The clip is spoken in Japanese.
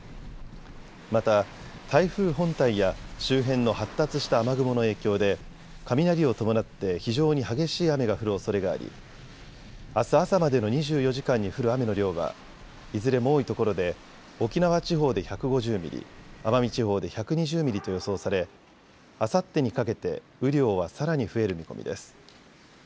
また台風本体や周辺の発達した雨雲の影響で雷を伴って非常に激しい雨が降るおそれがありあす朝までの２４時間に降る雨の量はいずれも多いところで沖縄地方で１５０ミリ、奄美地方で１２０ミリと予想されあさってにかけて雨量はさらに増える見込みです。